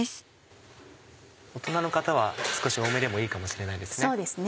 大人の方は少し多めでもいいかもしれないですね。